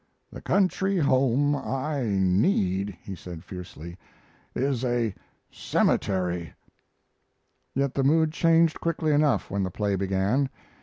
"The country home I need," he said, fiercely, "is a cemetery." Yet the mood changed quickly enough when the play began.